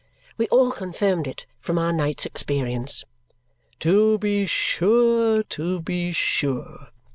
We all confirmed it from our night's experience. "To be sure, to be sure!"